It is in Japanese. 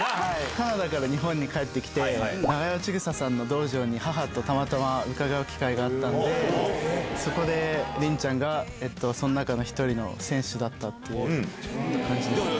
カナダから日本に帰ってきて、長与千種さんの道場に母とたまたま伺う機会があったんで、そこで凛ちゃんがその中の１人の選手だったっていう感じですね。